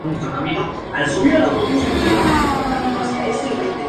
Con Magallanes, Parra disputaría las siguientes tres temporadas.